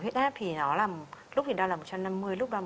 huyết áp thì nó lúc đó là một trăm năm mươi lúc đó là một trăm ba mươi